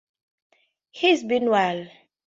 He's been well.